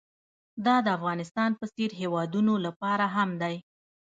دا د افغانستان په څېر هېوادونو لپاره هم دی.